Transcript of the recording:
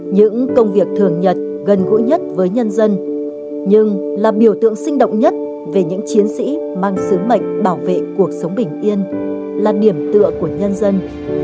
những công việc thường nhật gần gũi nhất với nhân dân nhưng là biểu tượng sinh động nhất về những chiến sĩ mang sứ mệnh bảo vệ cuộc sống bình yên là điểm tựa của nhân dân